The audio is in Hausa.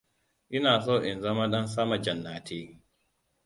Ina so in zama dan sama jannati.